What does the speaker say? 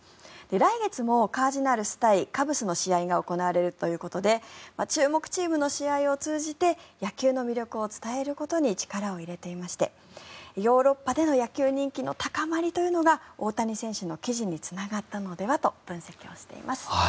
来月もカージナルス対カブスの試合が行われるということで注目チームの試合を通じて野球の魅力を伝えることに力を入れていましてヨーロッパでの野球人気の高まりというのが大谷選手の記事につながったのではと分析しています。